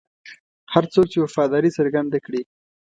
هر څوک چې وفاداري څرګنده کړي.